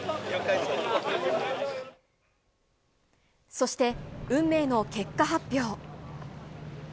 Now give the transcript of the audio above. そして、運命の結果発表。